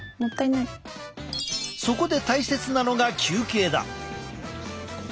そこで大切なのが休憩だ。